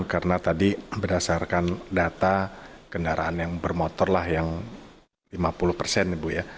karena tadi berdasarkan data kendaraan yang bermotor lah yang lima puluh persen ya bu ya